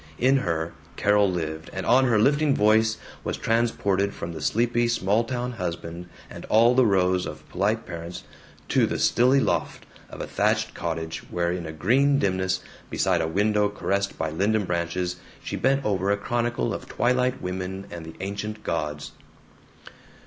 In her, Carol lived, and on her lifting voice was transported from this sleepy small town husband and all the rows of polite parents to the stilly loft of a thatched cottage where in a green dimness, beside a window caressed by linden branches, she bent over a chronicle of twilight women and the ancient gods.